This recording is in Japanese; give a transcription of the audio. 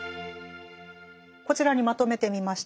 こちらにまとめてみました。